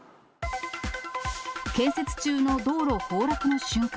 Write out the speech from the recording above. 建設中の道路崩落の瞬間。